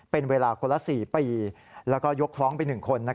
เป็นเวลากลุ่นละ๔ปีแล้วก็ยกฟ้องเป็น๑คน